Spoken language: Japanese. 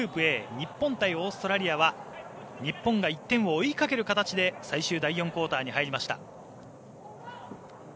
日本対オーストラリアは日本が１点を追いかける形で最終第４クオーターに入りました。